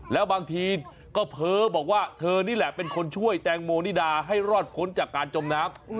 แล้วบางทีก็เพ้อบอกว่าเธอนี่แหละเป็นคนช่วยแตงโมนิดาให้รอดพ้นจากการจมน้ำ